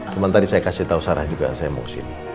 cuma tadi saya kasih tahu sarah juga saya mau kesini